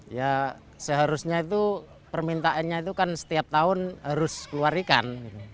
ya seharusnya itu permintaannya itu kan setiap tahun harus keluar ikan